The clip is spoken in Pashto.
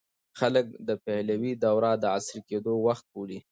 خلک د پهلوي دوره د عصري کېدو وخت بولي.